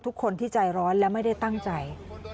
ทุกคนที่ใจร้อนและไม่ได้ตั้งใจ